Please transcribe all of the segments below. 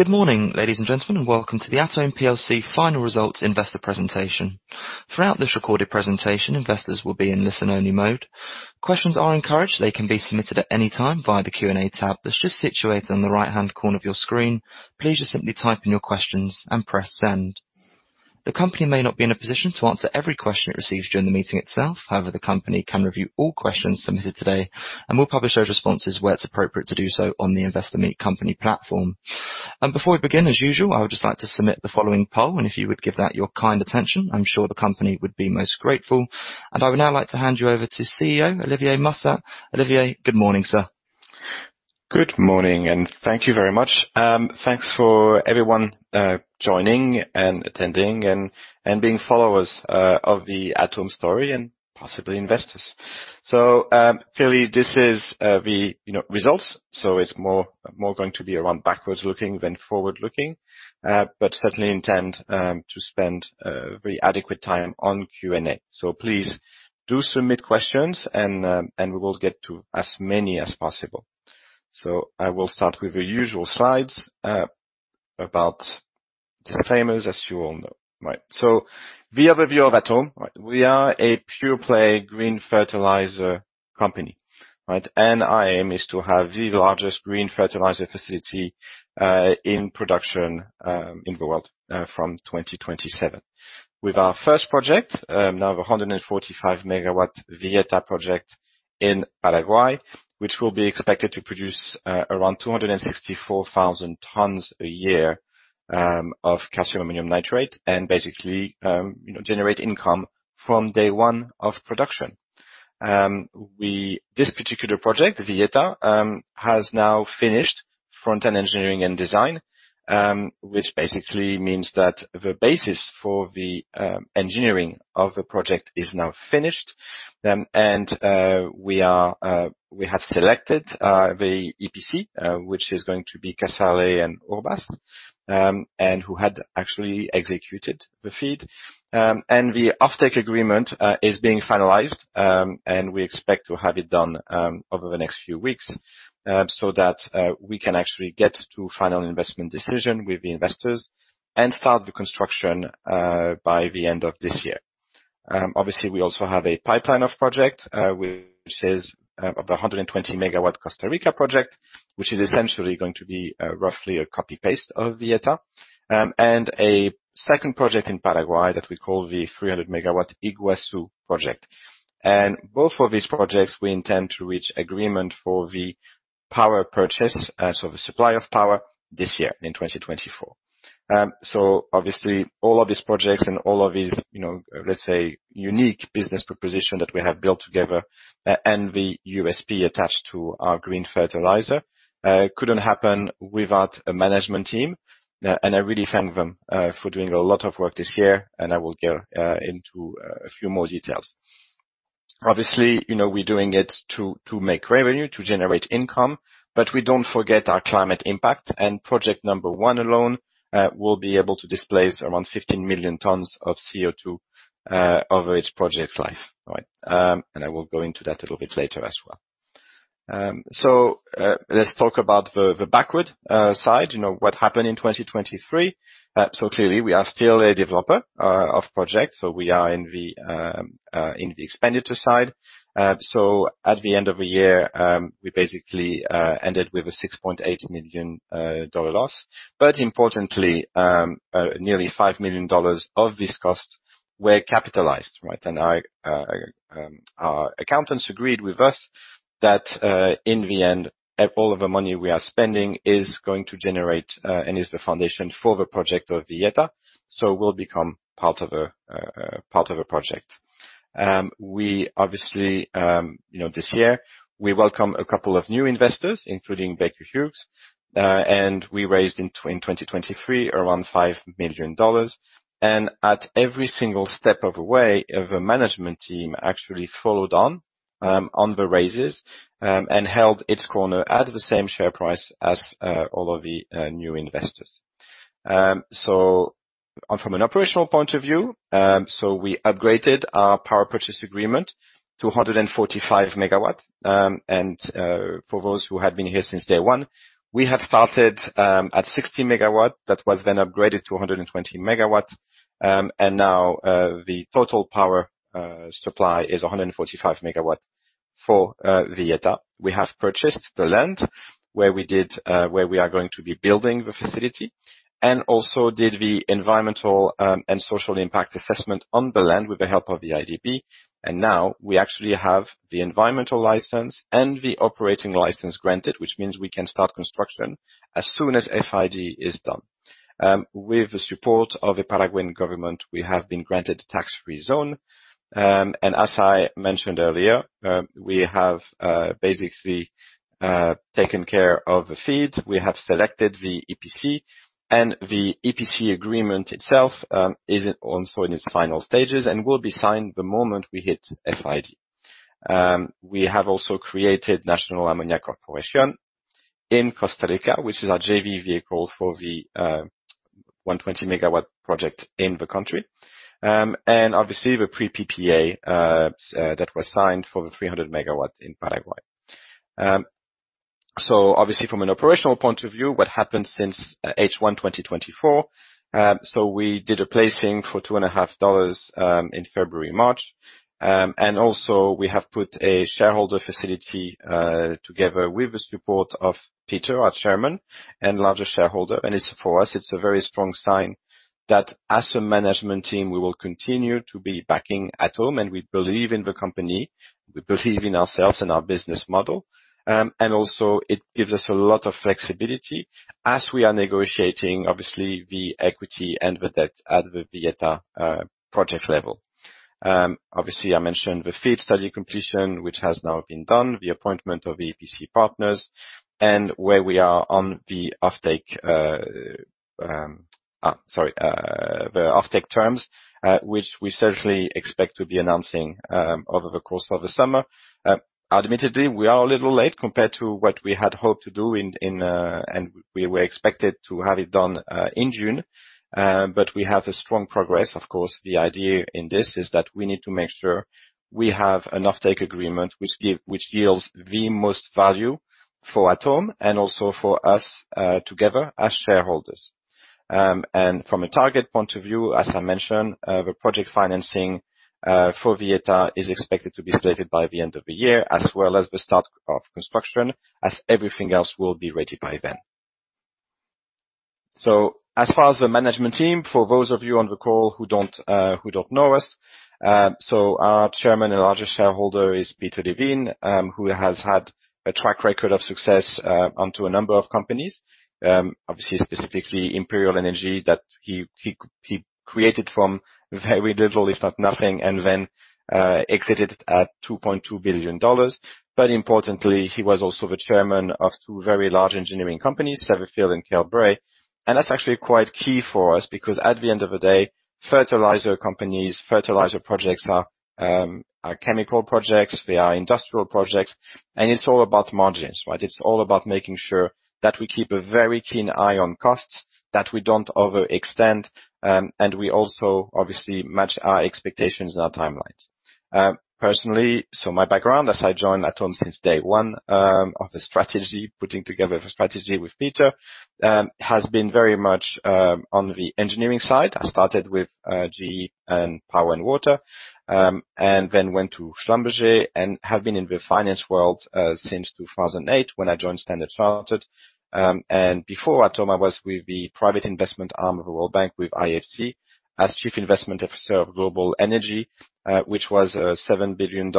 Good morning, ladies and gentlemen, and welcome to the Atome PLC final results investor presentation. Throughout this recorded presentation, investors will be in listen-only mode. Questions are encouraged. They can be submitted at any time via the Q&A tab that's just situated on the right-hand corner of your screen. Please just simply type in your questions and press send. The company may not be in a position to answer every question it receives during the meeting itself. However, the company can review all questions submitted today and will publish those responses where it's appropriate to do so on the Investor Meet Company platform. Before we begin, as usual, I would just like to submit the following poll, and if you would give that your kind attention, I'm sure the company would be most grateful. I would now like to hand you over to CEO Olivier Mussat. Olivier, good morning, sir. Good morning, and thank you very much. Thanks for everyone joining and attending and being followers of the Atome story and possibly investors. Clearly, this is the results. It's more going to be around backwards looking than forward looking. Certainly intend to spend very adequate time on Q&A. Please do submit questions and we will get to as many as possible. I will start with the usual slides about disclaimers as you all know. Right. The overview of Atome. We are a pure play green fertilizer company. Right? Our aim is to have the largest green fertilizer facility in production in the world from 2027. With our first project, now 145 MW Villeta project in Paraguay, which will be expected to produce around 264,000 tons a year of calcium ammonium nitrate and basically generate income from day one of production. This particular project, Villeta, has now finished front-end engineering and design which basically means that the basis for the engineering of the project is now finished. We have selected the EPC, which is going to be Casale and Urbas, and who had actually executed the FEED. The offtake agreement is being finalized, and we expect to have it done over the next few weeks so that we can actually get to final investment decision with the investors and start the construction by the end of this year. Obviously, we also have a pipeline of project, which is of 120 MW Costa Rica project, which is essentially going to be roughly a copy-paste of Villeta, and a second project in Paraguay that we call the 300 MW Yguazu project. Both of these projects we intend to reach agreement for the power purchase, so the supply of power this year in 2024. Obviously all of these projects and all of these, let's say, unique business proposition that we have built together and the USP attached to our green fertilizer couldn't happen without a management team. I really thank them for doing a lot of work this year, and I will go into a few more details. Obviously, we're doing it to make revenue, to generate income, but we don't forget our climate impact. Project number one alone will be able to displace around 15 million tons of CO2 over its project life. Right. I will go into that a little bit later as well. Let's talk about the backward side, what happened in 2023. Clearly we are still a developer of projects, so we are in the expenditure side. At the end of the year, we basically ended with a $6.8 million loss, but importantly, nearly $5 million of these costs were capitalized. Right? Our accountants agreed with us that in the end, all of the money we are spending is going to generate and is the foundation for the project of Villeta and will become part of the project. We obviously this year we welcome a couple of new investors, including Baker Hughes, and we raised in 2023 around $5 million. At every single step of the way, the management team actually followed on the raises, and held its corner at the same share price as all of the new investors. From an operational point of view, we upgraded our power purchase agreement to 145 MW. For those who had been here since day one, we have started at 60 MW. That was then upgraded to 120 MW. Now, the total power supply is 145 MW for Villeta. We have purchased the land where we are going to be building the facility, and also did the environmental and social impact assessment on the land with the help of the IDB. Now we actually have the environmental license and the operating license granted, which means we can start construction as soon as FID is done. With the support of the Paraguayan government, we have been granted tax-free zone. As I mentioned earlier, we have basically taken care of the FEED. We have selected the EPC, and the EPC agreement itself is also in its final stages and will be signed the moment we hit FID. We have also created National Ammonia Corporation in Costa Rica, which is our JV vehicle for the 120 MW project in the country, and the pre-PPA that was signed for the 300 MW in Paraguay. From an operational point of view, what happened since H1 2024, we did a placing for $2.5 million in February, March. We have put a shareholder facility together with the support of Peter, our Chairman and largest shareholder. For us, it's a very strong sign that as a management team, we will continue to be backing Atome, and we believe in the company, we believe in ourselves and our business model. It gives us a lot of flexibility as we are negotiating, obviously the equity and the debt at the Villeta project level. Obviously, I mentioned the FEED study completion, which has now been done, the appointment of EPC partners and where we are on the offtake terms, which we certainly expect to be announcing over the course of the summer. Admittedly, we are a little late compared to what we had hoped to do, and we were expected to have it done in June. We have a strong progress. Of course, the idea in this is that we need to make sure we have an offtake agreement which yields the most value for Atome and also for us, together as shareholders. From a target point of view, as I mentioned, the project financing for Villeta is expected to be slated by the end of the year, as well as the start of construction, as everything else will be ready by then. As far as the management team, for those of you on the call who don't know us, our Chairman and largest shareholder is Peter Levine, who has had a track record of success onto a number of companies. Obviously, specifically Imperial Energy that he created from very little, if not nothing, and then exited at $2.2 billion. Importantly, he was also the Chairman of two very large engineering companies, Severfield and Keltbray. That's actually quite key for us because at the end of the day, fertilizer companies, fertilizer projects are chemical projects. They are industrial projects, and it's all about margins, right? It's all about making sure that we keep a very keen eye on costs that we don't overextend, and we also obviously match our expectations and our timelines. Personally, my background, as I joined Atome since day one of the strategy, putting together the strategy with Peter, has been very much on the engineering side. I started with GE and Power and Water, and then went to Schlumberger and have been in the finance world since 2008 when I joined Standard Chartered. Before Atome, I was with the private investment arm of the World Bank with IFC as Chief Investment Officer of Global Energy, which was a $7 billion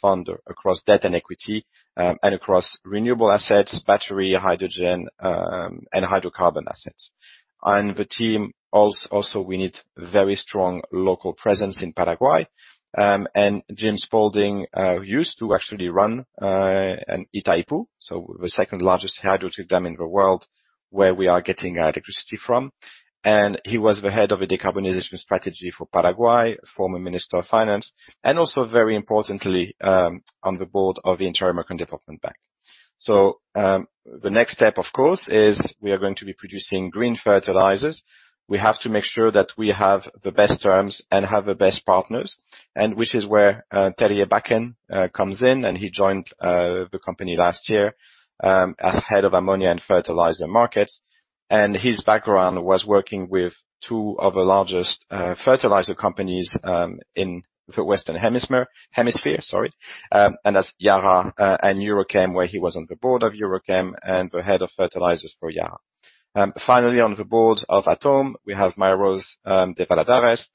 fund across debt and equity, and across renewable assets, battery, hydrogen, and hydrocarbon assets. On the team also, we need very strong local presence in Paraguay. James Spalding, who used to actually run Itaipu, so the second-largest hydroelectric dam in the world, where we are getting our electricity from. He was the Head of the Decarbonization Strategy for Paraguay, former Minister of Finance, and also very importantly, on the Board of the Inter-American Development Bank. The next step, of course, is we are going to be producing green fertilizers. We have to make sure that we have the best terms and have the best partners, and which is where Terje Bakken comes in, and he joined the company last year, as Head of Ammonia and Fertilizer Markets. His background was working with two of the largest fertilizer companies, in the Western hemisphere. That's Yara and EuroChem, where he was on the Board of EuroChem and the Head of Fertilizers for Yara. Finally, on the board of Atome, we have Mary-Rose de Valladares,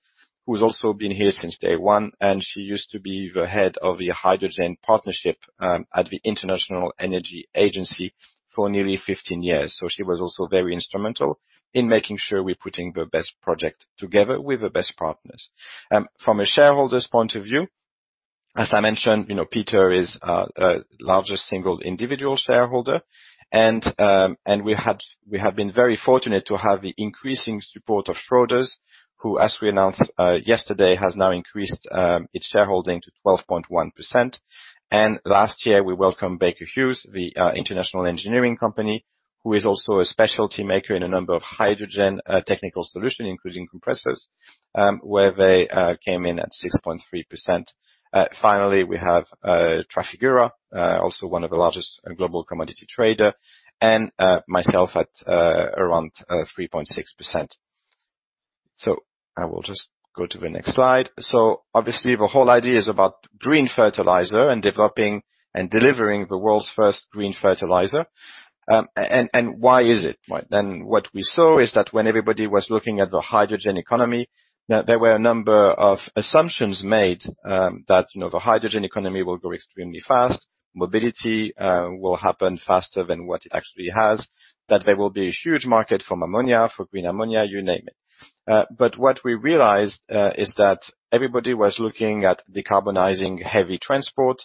who's also been here since day one, and she used to be the Head of the Hydrogen Partnership at the International Energy Agency for nearly 15 years. She was also very instrumental in making sure we're putting the best project together with the best partners. From a shareholder's point of view, as I mentioned, Peter is our largest single individual shareholder. We have been very fortunate to have the increasing support of Schroders, who, as we announced yesterday, has now increased its shareholding to 12.1%. Last year we welcomed Baker Hughes, the international engineering company, who is also a specialty maker in a number of hydrogen technical solutions, including compressors, where they came in at 6.3%. Finally, we have Trafigura, also one of the largest global commodity trader and, myself at around 3.6%. I will just go to the next slide. Obviously the whole idea is about green fertilizer and developing and delivering the world's first green fertilizer. Why is it, right? What we saw is that when everybody was looking at the hydrogen economy, there were a number of assumptions made, that the hydrogen economy will grow extremely fast. Mobility will happen faster than what it actually has, that there will be a huge market for ammonia, for green ammonia, you name it. What we realized is that everybody was looking at decarbonizing heavy transport,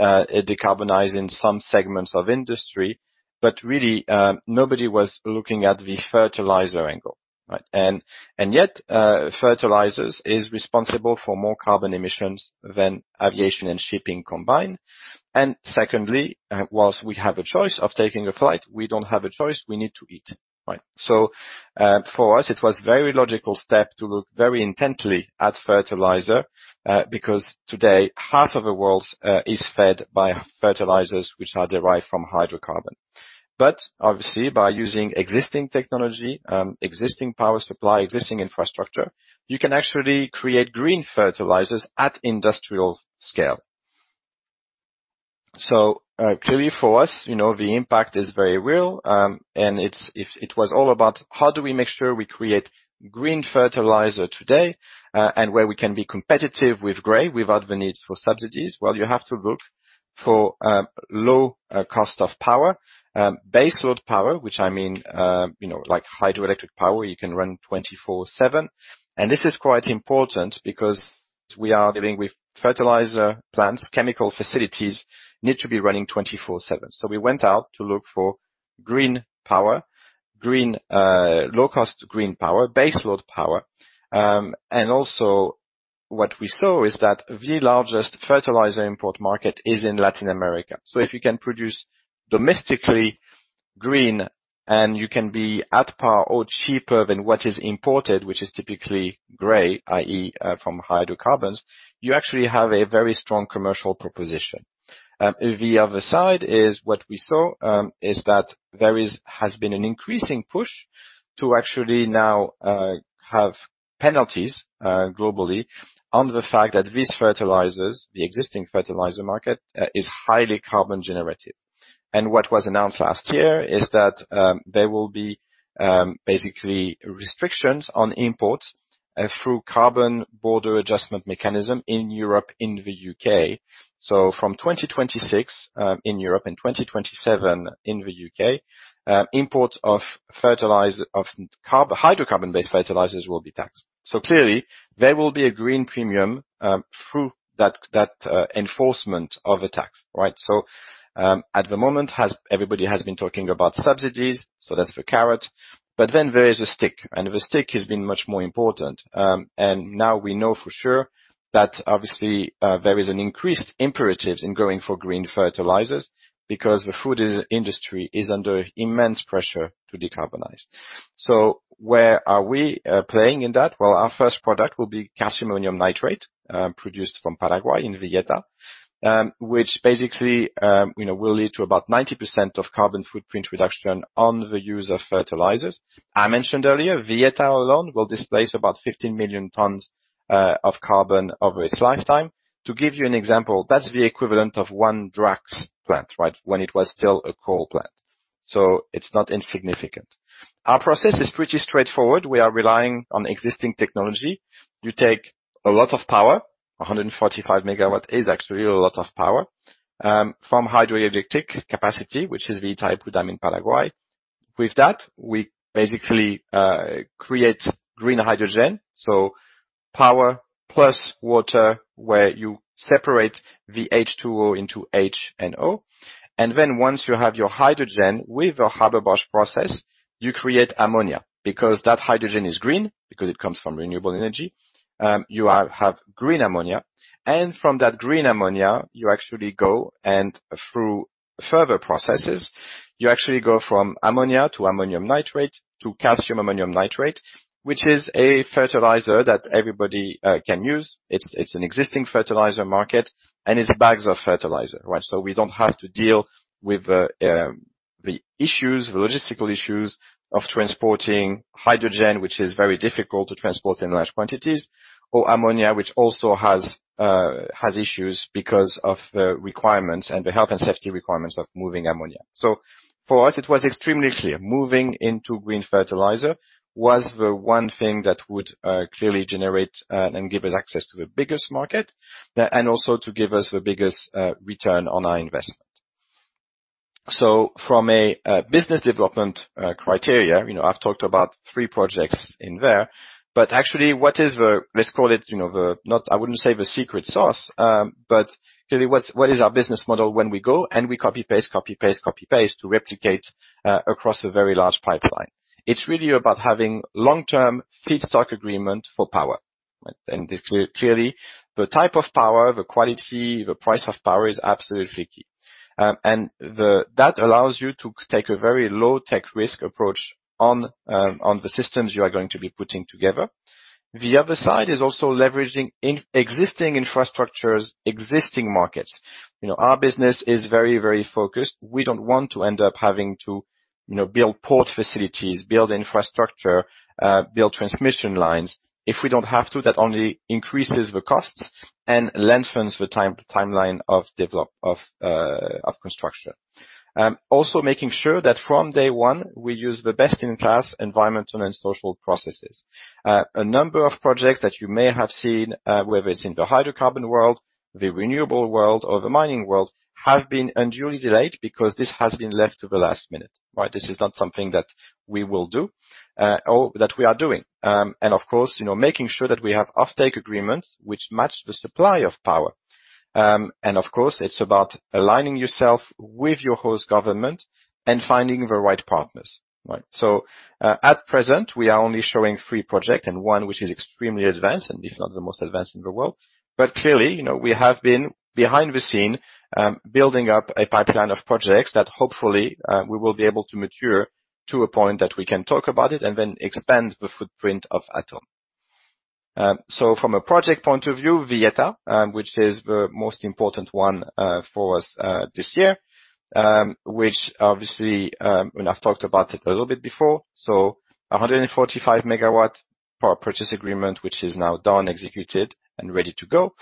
decarbonizing some segments of industry. But really, nobody was looking at the fertilizer angle. Yet, fertilizers is responsible for more carbon emissions than aviation and shipping combined. Secondly, while we have a choice of taking a flight, we don't have a choice, we need to eat. For us, it was very logical step to look very intently at fertilizer, because today, half of the world is fed by fertilizers which are derived from hydrocarbon. Obviously, by using existing technology, existing power supply, existing infrastructure, you can actually create green fertilizers at industrial scale. Clearly for us, the impact is very real, and it was all about how do we make sure we create green fertilizer today, and where we can be competitive with gray without the need for subsidies. Well, you have to look for low cost of power, baseload power, which I mean like hydroelectric power, you can run 24/7. This is quite important because we are dealing with fertilizer plants, chemical facilities need to be running 24/7. We went out to look for green power, low cost green power, baseload power. Also what we saw is that the largest fertilizer import market is in Latin America. If you can produce domestically green and you can be at par or cheaper than what is imported, which is typically gray, i.e., from hydrocarbons, you actually have a very strong commercial proposition. The other side is what we saw is that there has been an increasing push to actually now have penalties globally on the fact that these fertilizers, the existing fertilizer market, is highly carbon intensive. What was announced last year is that there will be basically restrictions on imports through Carbon Border Adjustment Mechanism in Europe, in the U.K. From 2026 in Europe and 2027 in the U.K., import of hydrocarbon-based fertilizers will be taxed. Clearly, there will be a green premium through that enforcement of the tax. At the moment, everybody has been talking about subsidies, so that's the carrot. Then there is a stick, and the stick has been much more important. Now we know for sure that obviously there is an increased imperative in going for green fertilizers because the food industry is under immense pressure to decarbonize. Where are we playing in that? Well, our first product will be calcium ammonium nitrate, produced from Paraguay in Villeta, which basically will lead to about 90% of carbon footprint reduction on the use of fertilizers. I mentioned earlier, Villeta alone will displace about 15 million tons of carbon over its lifetime. To give you an example, that's the equivalent of one Drax plant, when it was still a coal plant. It's not insignificant. Our process is pretty straightforward. We are relying on existing technology. You take a lot of power, 145 MW is actually a lot of power, from hydroelectric capacity, which is the Itaipu Dam in Paraguay. With that, we basically create green hydrogen. Power plus water, where you separate the H2O into H and O. Once you have your hydrogen with a Haber-Bosch process, you create ammonia, because that hydrogen is green, because it comes from renewable energy. You have green ammonia. From that green ammonia, you actually go and through further processes, you actually go from ammonia to ammonium nitrate, to calcium ammonium nitrate, which is a fertilizer that everybody can use. It's an existing fertilizer market, and it's bags of fertilizer. We don't have to deal with the logistical issues of transporting hydrogen, which is very difficult to transport in large quantities. Ammonia, which also has issues because of the requirements and the health and safety requirements of moving ammonia. For us, it was extremely clear. Moving into green fertilizer was the one thing that would clearly generate and give us access to the biggest market, and also to give us the biggest return on our investment. From a business development criteria, I've talked about three projects in there. Actually, what is the, let's call it, I wouldn't say the secret sauce, but clearly what is our business model when we go and we copy-paste, copy-paste, copy-paste to replicate across a very large pipeline? It's really about having long-term feedstock agreement for power. Clearly the type of power, the quality, the price of power is absolutely key. That allows you to take a very low tech risk approach on the systems you are going to be putting together. The other side is also leveraging existing infrastructures, existing markets. Our business is very focused. We don't want to end up having to build port facilities, build infrastructure, build transmission lines if we don't have to. That only increases the costs and lengthens the timeline of construction. Also making sure that from day one, we use the best-in-class environmental and social processes. A number of projects that you may have seen, whether it's in the hydrocarbon world, the renewable world or the mining world, have been unduly delayed because this has been left to the last minute. This is not something that we will do or that we are doing. Of course, making sure that we have offtake agreements which match the supply of power. Of course, it's about aligning yourself with your host government and finding the right partners. At present, we are only showing three projects and one which is extremely advanced and if not the most advanced in the world. Clearly, we have been behind the scenes, building up a pipeline of projects that hopefully we will be able to mature to a point that we can talk about it and then expand the footprint of Atome. From a project point of view, Villeta, which is the most important one for us this year, which obviously, and I've talked about it a little bit before, so 145 MW power purchase agreement, which is now done, executed, and ready to go.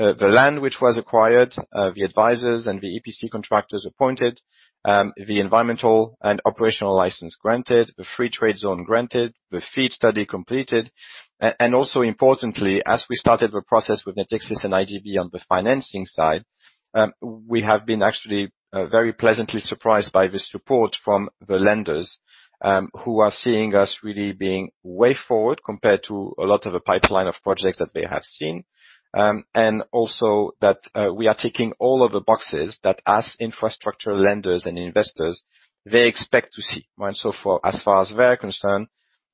The land which was acquired, the advisors and the EPC contractors appointed, the environmental and operational license granted, the Free Trade Zone granted, the FEED study completed. Also importantly, as we started the process with Natixis and IDB on the financing side, we have been actually very pleasantly surprised by the support from the lenders, who are seeing us really being way forward compared to a lot of the pipeline of projects that they have seen. Also that we are ticking all of the boxes that as infrastructure lenders and investors, they expect to see. So far, as far as we're concerned,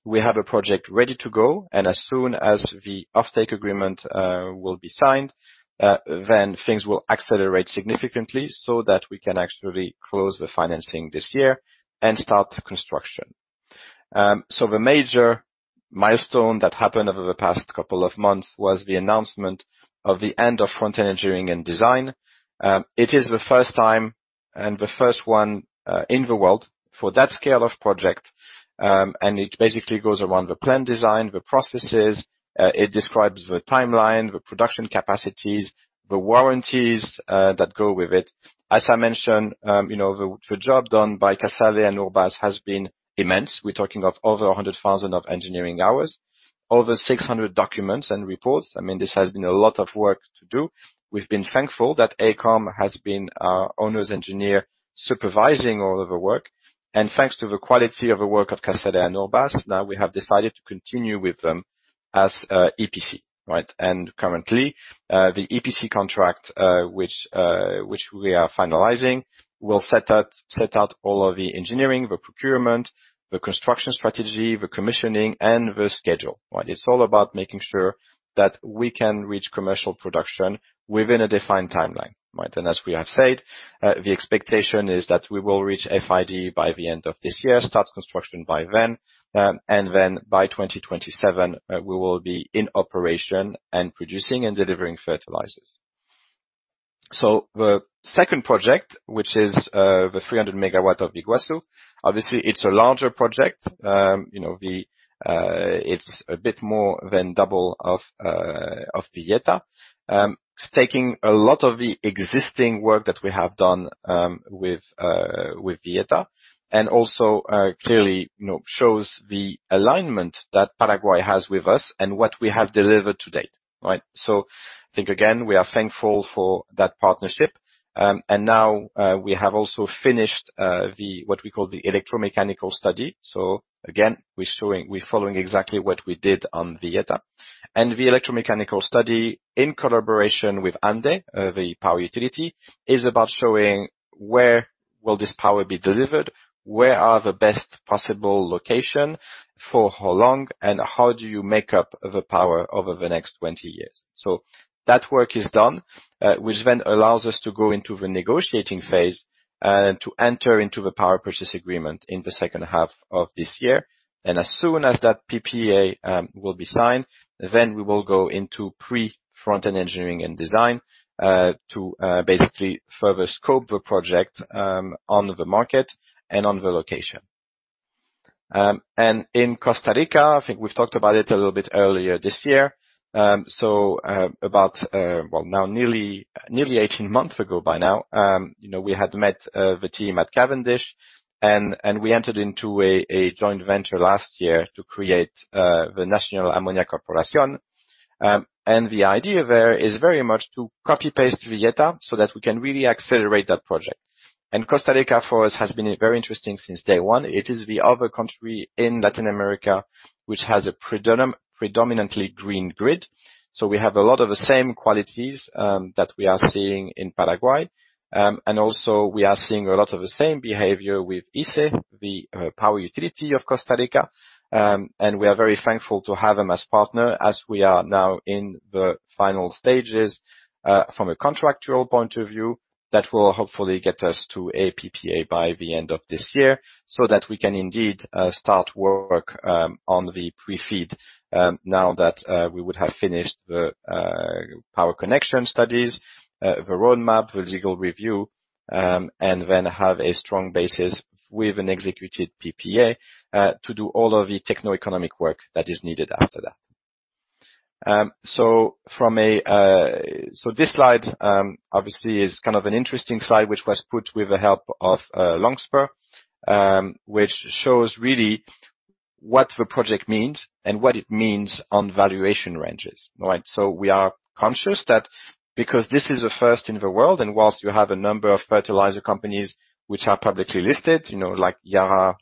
we have a project ready to go, and as soon as the offtake agreement will be signed, then things will accelerate significantly so that we can actually close the financing this year and start construction. The major milestone that happened over the past couple of months was the announcement of the end of front-end engineering and design. It is the first time and the first one in the world for that scale of project, and it basically goes around the plan design, the processes. It describes the timeline, the production capacities, the warranties that go with it. As I mentioned, the job done by Casale and Urbas has been immense. We're talking of over 100,000 engineering hours, over 600 documents and reports. This has been a lot of work to do. We've been thankful that AECOM has been our Owner's Engineer supervising all of the work. Thanks to the quality of the work of Casale and Urbas, now we have decided to continue with them as EPC. Currently, the EPC contract, which we are finalizing, will set out all of the engineering, the procurement, the construction strategy, the commissioning, and the schedule. It's all about making sure that we can reach commercial production within a defined timeline. As we have said, the expectation is that we will reach FID by the end of this year, start construction by then, and then by 2027, we will be in operation and producing and delivering fertilizers. The second project, which is the 300 MW of Yguazu, obviously it's a larger project. It's a bit more than double of Villeta. It's taking a lot of the existing work that we have done with Villeta and also clearly shows the alignment that Paraguay has with us and what we have delivered to date. I think, again, we are thankful for that partnership. Now, we have also finished what we call the electromechanical study. Again, we're following exactly what we did on Villeta. The electromechanical study, in collaboration with ANDE, the power utility, is about showing where will this power be delivered, where are the best possible location, for how long, and how do you make up the power over the next 20 years. That work is done, which then allows us to go into the negotiating phase and to enter into the power purchase agreement in the second half of this year. As soon as that PPA will be signed, then we will go into pre-front-end engineering and design to basically further scope the project on the market and on the location. In Costa Rica, I think we've talked about it a little bit earlier this year. About, well, now nearly 18 months ago by now, we had met the team at Cavendish and we entered into a joint venture last year to create the National Ammonia Corporation. The idea there is very much to copy-paste Villeta so that we can really accelerate that project. Costa Rica, for us, has been very interesting since day one. It is the other country in Latin America which has a predominantly green grid. We have a lot of the same qualities that we are seeing in Paraguay. Also we are seeing a lot of the same behavior with ICE, the power utility of Costa Rica, and we are very thankful to have them as partner as we are now in the final stages from a contractual point of view that will hopefully get us to a PPA by the end of this year, so that we can indeed start work on the pre-FEED, now that we would have finished the power connection studies, the roadmap, the legal review, and then have a strong basis with an executed PPA to do all of the techno-economic work that is needed after that. This slide, obviously, is kind of an interesting slide, which was put with the help of Longspur, which shows really what the project means and what it means on valuation ranges. We are conscious that because this is a first in the world, and whilst you have a number of fertilizer companies which are publicly listed, like Yara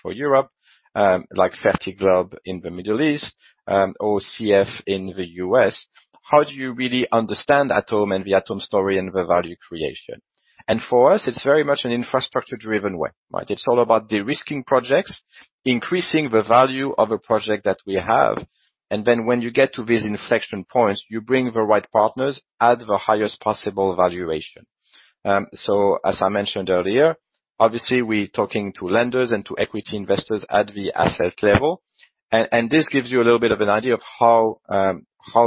for Europe, like Fertiglobe in the Middle East, or CF in the U.S., how do you really understand Atome and the Atome story and the value creation? For us, it's very much an infrastructure driven way. It's all about de-risking projects, increasing the value of a project that we have, and then when you get to these inflection points, you bring the right partners at the highest possible valuation. As I mentioned earlier. Obviously, we're talking to lenders and to equity investors at the asset level. This gives you a little bit of an idea of how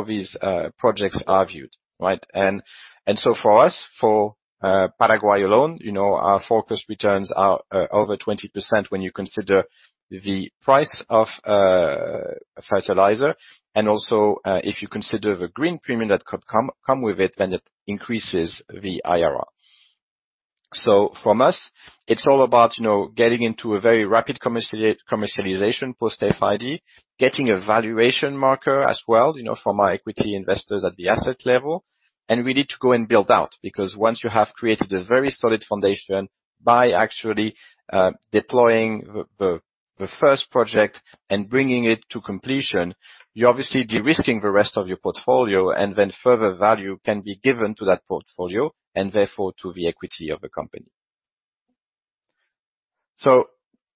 these projects are viewed. For us, for Paraguay alone, our focus returns are over 20% when you consider the price of fertilizer and also if you consider the green premium that could come with it, then it increases the IRR. From us, it's all about getting into a very rapid commercialization post FID, getting a valuation marker as well for my equity investors at the asset level. We need to go and build out, because once you have created a very solid foundation by actually deploying the first project and bringing it to completion, you're obviously de-risking the rest of your portfolio and then further value can be given to that portfolio and therefore to the equity of the company.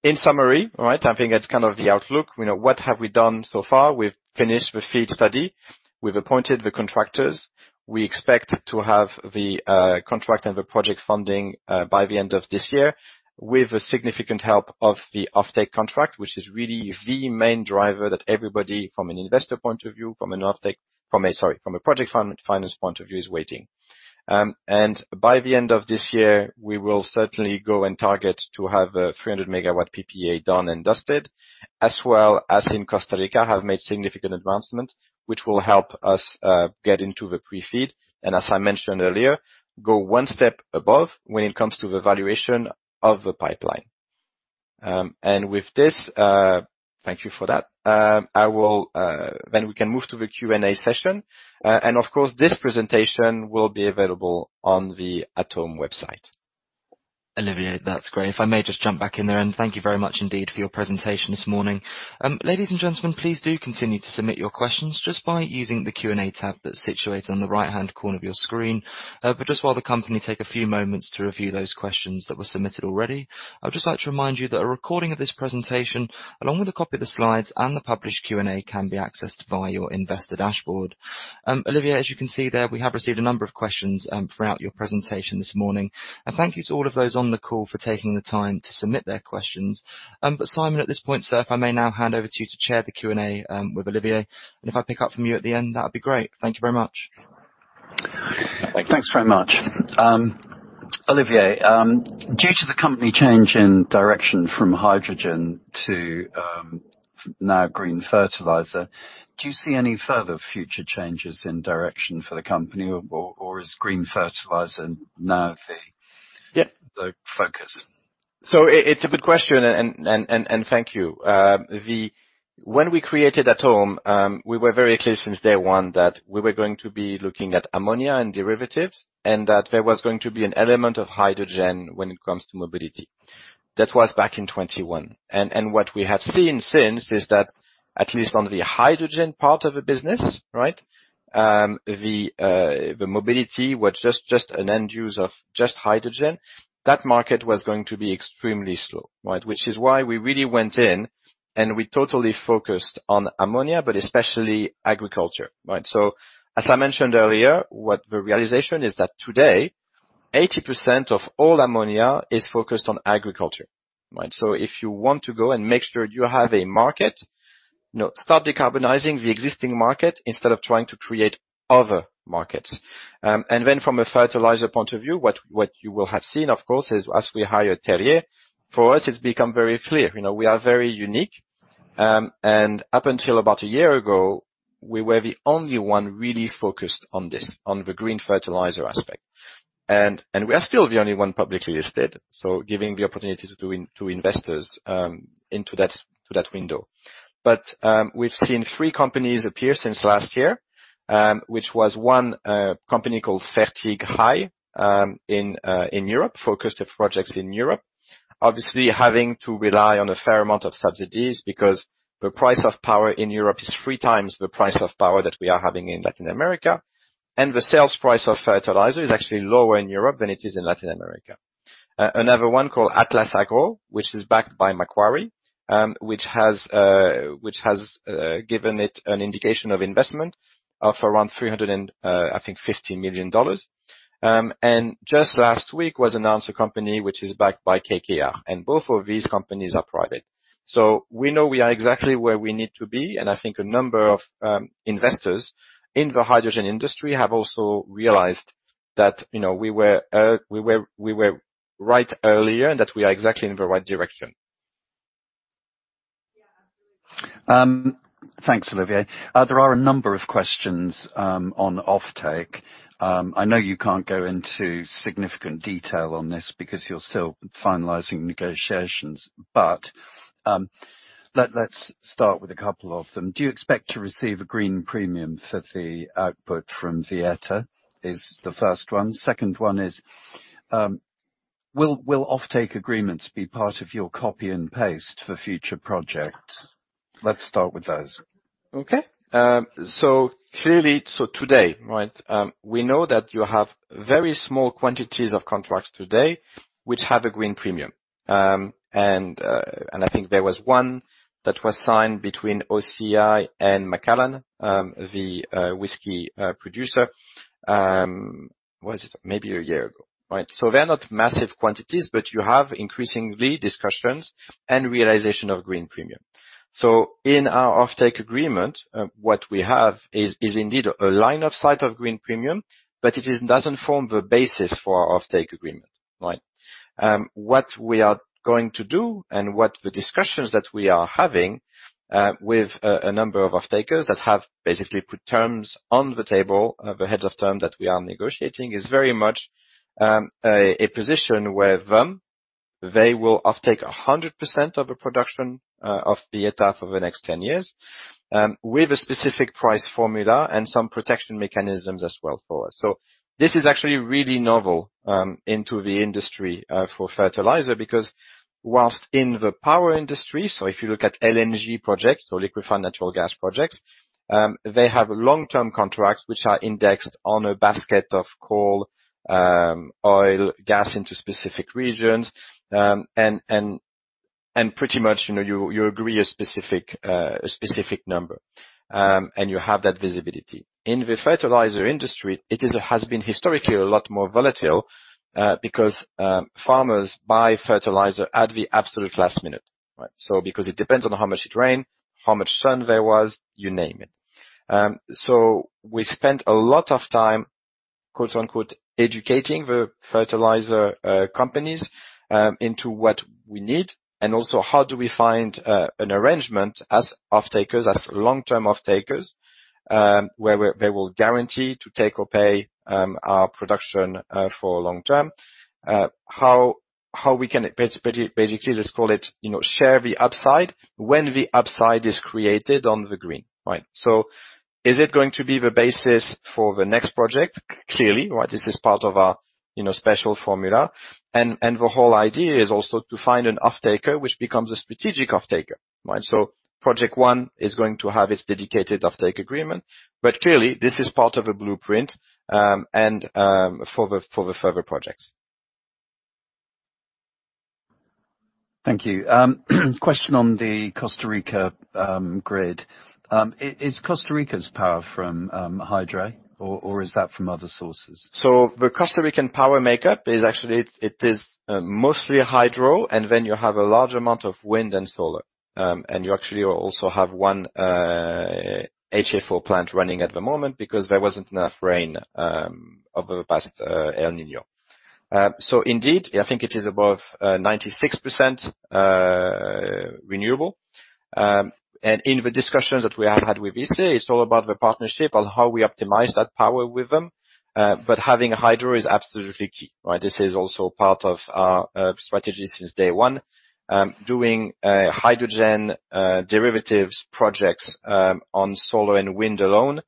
In summary, I think that's kind of the outlook. What have we done so far? We've finished the FEED study. We've appointed the contractors. We expect to have the contract and the project funding by the end of this year, with significant help of the offtake contract, which is really the main driver that everybody from an investor point of view, from a project finance point of view, is waiting. By the end of this year, we will certainly go and target to have a 300 MW PPA done and dusted, as well as in Costa Rica, have made significant advancements, which will help us get into the pre-FEED. As I mentioned earlier, go one step above when it comes to the valuation of the pipeline. With this, thank you for that. We can move to the Q&A session. Of course, this presentation will be available on the Atome website. Olivier, that's great. If I may just jump back in there then. Thank you very much indeed for your presentation this morning. Ladies and gentlemen, please do continue to submit your questions just by using the Q&A tab that's situated on the right-hand corner of your screen. Just while the company take a few moments to review those questions that were submitted already, I would just like to remind you that a recording of this presentation, along with a copy of the slides and the published Q&A, can be accessed via your investor dashboard. Olivier, as you can see there, we have received a number of questions throughout your presentation this morning, and thank you to all of those on the call for taking the time to submit their questions. Simon, at this point, sir, if I may now hand over to you to chair the Q&A with Olivier, and if I pick up from you at the end, that would be great. Thank you very much. Thanks very much. Olivier, due to the company change in direction from hydrogen to now green fertilizer, do you see any further future changes in direction for the company or is green fertilizer now the focus? It's a good question and thank you. When we created Atome, we were very clear since day one that we were going to be looking at ammonia and derivatives and that there was going to be an element of hydrogen when it comes to mobility. That was back in 2021. What we have seen since is that at least on the hydrogen part of the business, the mobility was just an end use of just hydrogen. That market was going to be extremely slow. Which is why we really went in and we totally focused on ammonia, but especially agriculture. As I mentioned earlier, what the realization is that today, 80% of all ammonia is focused on agriculture. If you want to go and make sure you have a market, start decarbonizing the existing market instead of trying to create other markets. From a fertilizer point of view, what you will have seen, of course, is as we hired Terje, for us, it's become very clear. We are very unique. Up until about a year ago, we were the only one really focused on this, on the green fertilizer aspect. We are still the only one publicly listed, so giving the opportunity to investors into that window. We've seen three companies appear since last year, which was one company called [Fertiberia] in Europe, focused their projects in Europe, obviously having to rely on a fair amount of subsidies because the price of power in Europe is 3x the price of power that we are having in Latin America. The sales price of fertilizer is actually lower in Europe than it is in Latin America. Another one called Atlas Agro, which is backed by Macquarie, which has given it an indication of investment of around $350 million. Just last week was announced a company which is backed by KKR, and both of these companies are private. We know we are exactly where we need to be, and I think a number of investors in the hydrogen industry have also realized that we were right earlier and that we are exactly in the right direction. Thanks, Olivier. There are a number of questions on offtake. I know you can't go into significant detail on this because you're still finalizing negotiations, but let's start with a couple of them. Do you expect to receive a green premium for the output from Villeta? Is the first one. Second one is, will offtake agreements be part of your copy and paste for future projects? Let's start with those. Okay. Clearly, today, we know that you have very small quantities of contracts today which have a green premium. I think there was one that was signed between OCI and Macallan, the whiskey producer. When was it? Maybe a year ago. They're not massive quantities, but you have increasingly discussions and realization of green premium. In our offtake agreement, what we have is indeed a line of sight of green premium, but it doesn't form the basis for our offtake agreement. What we are going to do and what the discussions that we are having with a number of offtakers that have basically put terms on the table, the heads of term that we are negotiating, is very much a position where they will offtake 100% of the production of Villeta over the next 10 years, with a specific price formula and some protection mechanisms as well for us. This is actually really novel into the industry for fertilizer because while in the power industry, so if you look at LNG projects or liquefied natural gas projects, they have long-term contracts which are indexed on a basket of coal, oil, gas into specific regions, and pretty much you agree a specific number, and you have that visibility. In the fertilizer industry, it has been historically a lot more volatile because farmers buy fertilizer at the absolute last minute. Because it depends on how much it rain, how much sun there was, you name it. We spent a lot of time "educating" the fertilizer companies into what we need and also how do we find an arrangement as long-term offtakers, where they will guarantee to take or pay our production for long-term. How we can basically, let's call it, share the upside when the upside is created on the green. Is it going to be the basis for the next project? Clearly. This is part of our special formula. The whole idea is also to find an offtaker which becomes a strategic offtaker. Project one is going to have its dedicated offtake agreement, but clearly this is part of a blueprint and for the further projects. Thank you. Question on the Costa Rica grid. Is Costa Rica's power from hydro or is that from other sources? The Costa Rican power makeup is actually mostly hydro, and then you have a large amount of wind and solar. You actually also have one HFO plant running at the moment because there wasn't enough rain over the past El Niño. Indeed I think it is above 96% renewable. In the discussions that we have had with ICE, it's all about the partnership on how we optimize that power with them. Having hydro is absolutely key. This is also part of our strategy since day one. Doing hydrogen derivatives projects on solar and wind alone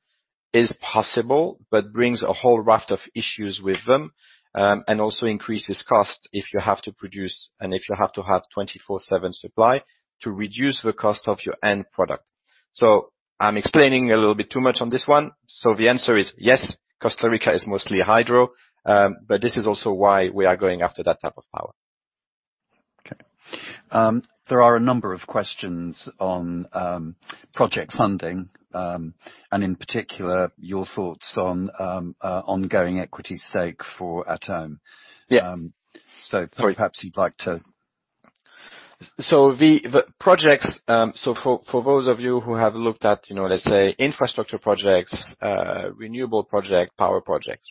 is possible, but brings a whole raft of issues with them, and also increases cost if you have to produce and if you have to have 24/7 supply to reduce the cost of your end product. I'm explaining a little bit too much on this one. The answer is yes, Costa Rica is mostly hydro. This is also why we are going after that type of power. Okay. There are a number of questions on project funding, and in particular, your thoughts on ongoing equity stake for Atome. Yeah. Perhaps you'd like to. For those of you who have looked at, let's say, infrastructure projects, renewable project, power projects.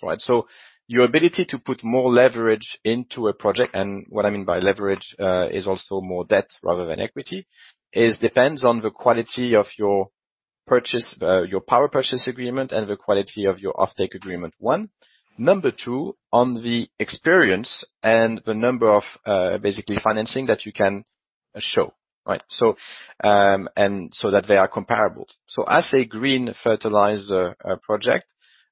Your ability to put more leverage into a project, and what I mean by leverage is also more debt rather than equity, it depends on the quality of your power purchase agreement and the quality of your offtake agreement, one. Number two, on the experience and the number of basically financing that you can show. That they are comparable. As a green fertilizer project,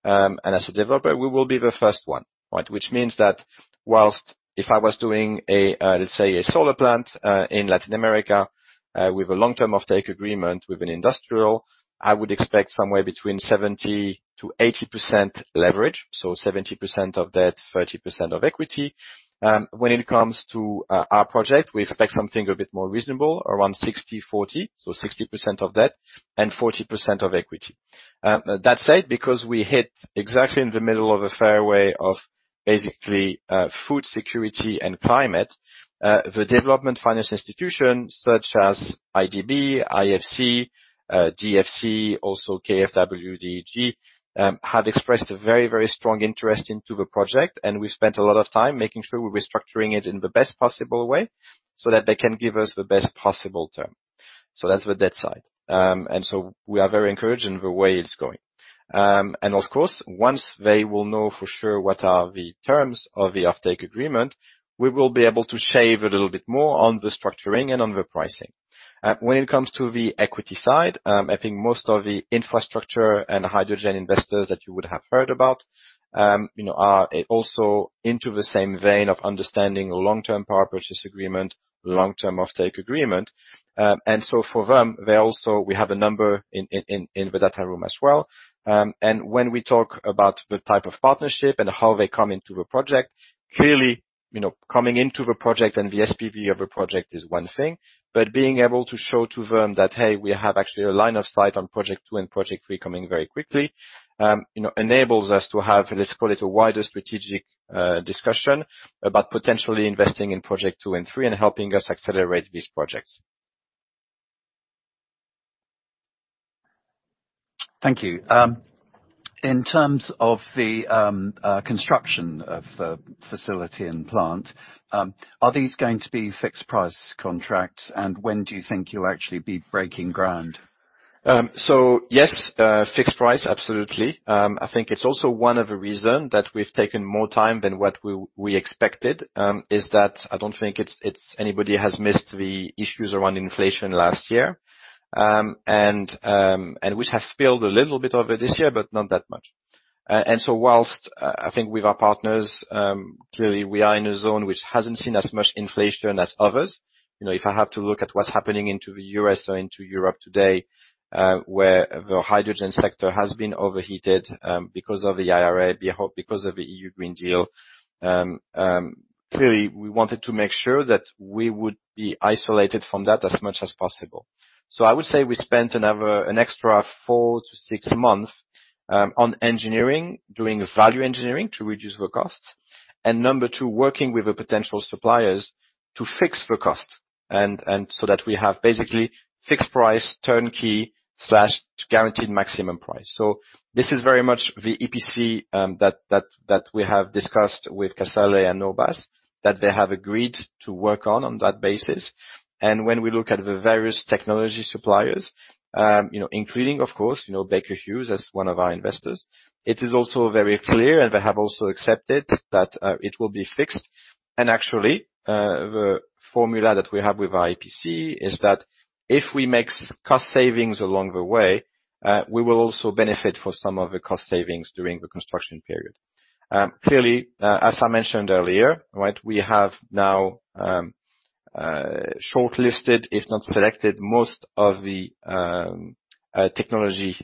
and as a developer, we will be the first one. Which means that whilst if I was doing, let's say, a solar plant in Latin America with a long-term offtake agreement with an industrial, I would expect somewhere between 70%-80% leverage. 70% of debt, 30% of equity. When it comes to our project, we expect something a bit more reasonable, around 60%-40%, so 60% of debt and 40% of equity. That said, because we hit exactly in the middle of a fairway of basically food security and climate, the development finance institutions such as IDB, IFC, DFC, also KfW, DEG, have expressed a very, very strong interest into the project, and we've spent a lot of time making sure we're restructuring it in the best possible way so that they can give us the best possible term. That's the debt side. We are very encouraged in the way it's going. Of course, once they will know for sure what are the terms of the offtake agreement, we will be able to shave a little bit more on the structuring and on the pricing. When it comes to the equity side, I think most of the infrastructure and hydrogen investors that you would have heard about are also into the same vein of understanding long-term power purchase agreement, long-term offtake agreement. For them, we have a number in the data room as well. When we talk about the type of partnership and how they come into the project, clearly, coming into the project and the SPV of a project is one thing, but being able to show to them that, hey, we have actually a line of sight on project two and project three coming very quickly, enables us to have, let's call it, a wider strategic discussion about potentially investing in project two and three and helping us accelerate these projects. Thank you. In terms of the construction of facility and plant, are these going to be fixed price contracts? When do you think you'll actually be breaking ground? Yes, fixed price, absolutely. I think it's also one of the reason that we've taken more time than what we expected, is that I don't think anybody has missed the issues around inflation last year, and which has spilled a little bit over this year, but not that much. Whilst I think with our partners, clearly we are in a zone which hasn't seen as much inflation as others. If I have to look at what's happening into the U.S. or into Europe today, where the hydrogen sector has been overheated because of the IRA, because of the European Green Deal, clearly we wanted to make sure that we would be isolated from that as much as possible. I would say we spent an extra four to six months on engineering, doing value engineering to reduce the costs. Number two, working with the potential suppliers to fix the cost, and so that we have basically fixed price, turnkey/guaranteed maximum price. This is very much the EPC that we have discussed with Casale and Urbas, that they have agreed to work on that basis. When we look at the various technology suppliers, including, of course, Baker Hughes as one of our investors, it is also very clear, and they have also accepted that it will be fixed. Actually, the formula that we have with our EPC is that if we make cost savings along the way, we will also benefit for some of the cost savings during the construction period. Clearly, as I mentioned earlier, right, we have now shortlisted, if not selected, most of the technology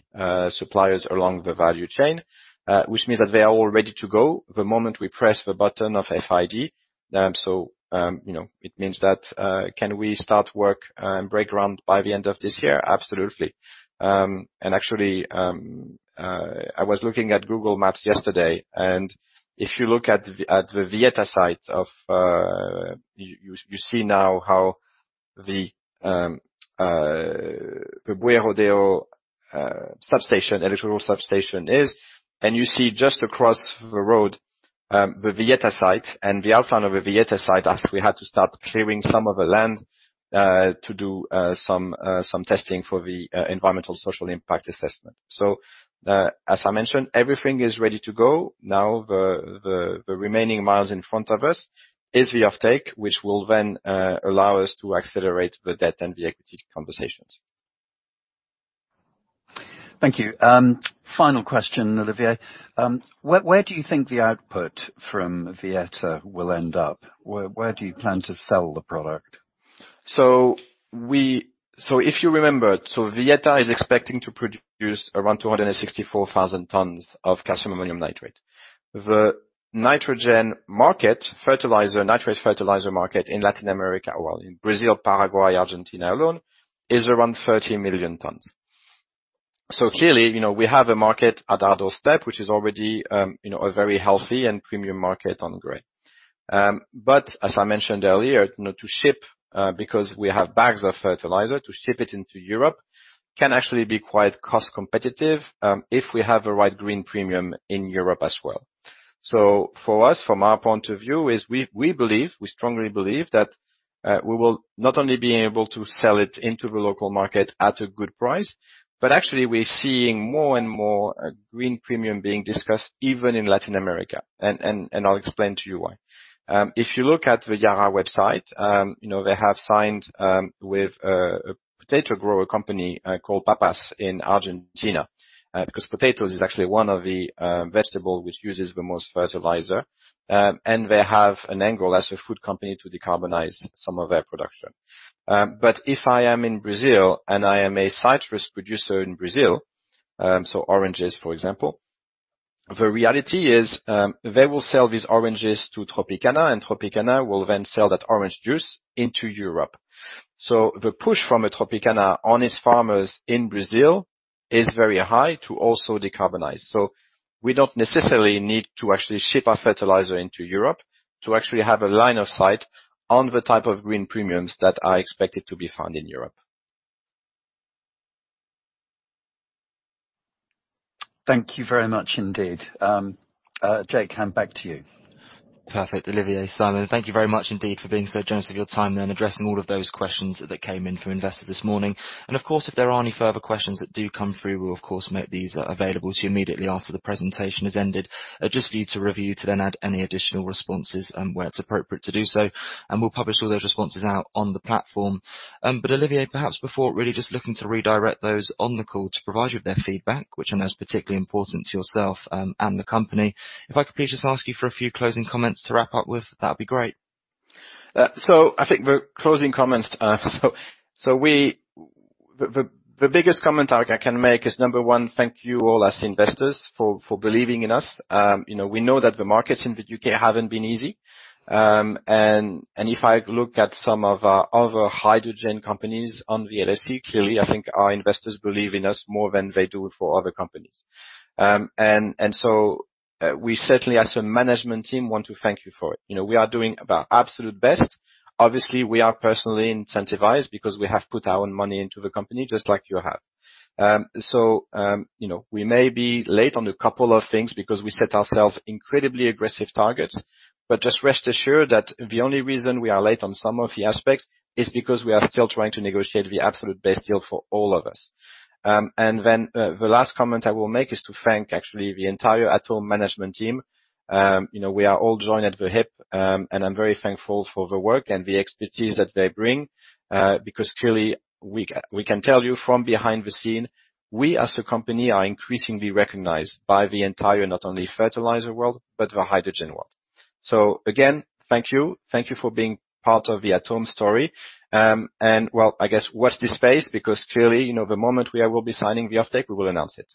suppliers along the value chain. Which means that they are all ready to go the moment we press the button of FID. It means that can we start work and break ground by the end of this year? Absolutely. Actually, I was looking at Google Maps yesterday, and if you look at the Villeta site, you see now how the Buey Rodeo substation, electrical substation is. You see just across the road, the Villeta site and the outline of the Villeta site, as we had to start clearing some of the land to do some testing for the environmental social impact assessment. As I mentioned, everything is ready to go. Now the remaining miles in front of us is the offtake, which will then allow us to accelerate the debt and the equity conversations. Thank you. Final question, Olivier. Where do you think the output from Villeta will end up? Where do you plan to sell the product? If you remember, so Villeta is expecting to produce around 264,000 tons of calcium ammonium nitrate. The nitrogen market, fertilizer, nitrate fertilizer market in Latin America, well, in Brazil, Paraguay, Argentina alone, is around 30 million tons. Clearly, we have a market at our doorstep, which is already a very healthy and premium market on grid. As I mentioned earlier, because we have bags of fertilizer, to ship it into Europe can actually be quite cost competitive, if we have the right green premium in Europe as well. For us, from our point of view is we strongly believe that, we will not only be able to sell it into the local market at a good price, but actually we're seeing more and more a green premium being discussed even in Latin America. I'll explain to you why. If you look at the Yara website, they have signed with a potato grower company called Papas in Argentina. Because potatoes is actually one of the vegetable which uses the most fertilizer. They have an angle as a food company to decarbonize some of their production. If I am in Brazil and I am a citrus producer in Brazil, so oranges, for example, the reality is, they will sell these oranges to Tropicana, and Tropicana will then sell that orange juice into Europe. The push from Tropicana on its farmers in Brazil is very high to also decarbonize. We don't necessarily need to actually ship our fertilizer into Europe to actually have a line of sight on the type of green premiums that are expected to be found in Europe. Thank you very much indeed. Jake, hand back to you. Perfect. Olivier and Simon, thank you very much indeed for being so generous with your time and addressing all of those questions that came in from investors this morning. Of course, if there are any further questions that do come through, we'll of course make these available to you immediately after the presentation has ended, just for you to review, to then add any additional responses, where it's appropriate to do so. We'll publish all those responses out on the platform. Olivier, perhaps before really just looking to redirect those on the call to provide you with their feedback, which I know is particularly important to yourself, and the company, if I could please just ask you for a few closing comments to wrap up with, that'd be great. I think the closing comments, the biggest comment I can make is, number one, thank you all as investors for believing in us. We know that the markets in the U.K. haven't been easy. If I look at some of our other hydrogen companies on the LSE, clearly I think our investors believe in us more than they do for other companies. We certainly as a management team want to thank you for it. We are doing our absolute best. Obviously, we are personally incentivized because we have put our own money into the company just like you have. We may be late on a couple of things because we set ourselves incredibly aggressive targets, but just rest assured that the only reason we are late on some of the aspects is because we are still trying to negotiate the absolute best deal for all of us. Then the last comment I will make is to thank actually the entire Atome management team. We are all joined at the hip, and I'm very thankful for the work and the expertise that they bring, because clearly we can tell you from behind the scenes, we as a company are increasingly recognized by the entire, not only fertilizer world, but the hydrogen world. Again, thank you. Thank you for being part of the Atome story. Well, I guess watch this space because clearly, the moment we will be signing the offtake, we will announce it.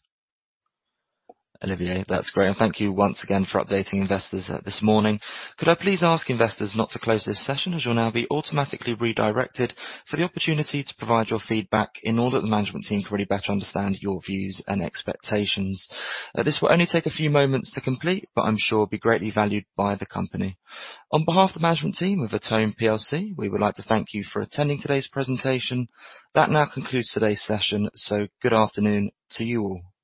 Olivier, that's great. Thank you once again for updating investors this morning. Could I please ask investors not to close this session as you'll now be automatically redirected for the opportunity to provide your feedback in order that the management team can really better understand your views and expectations. This will only take a few moments to complete, but I'm sure it'll be greatly valued by the company. On behalf of the management team of Atome PLC, we would like to thank you for attending today's presentation. That now concludes today's session, so good afternoon to you all. Thank you.